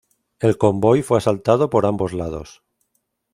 El convoy fue asaltado por ambos lados.